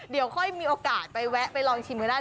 เดี๋ยวค่อยมีโอกาสไปแวะไปลองชิมกันได้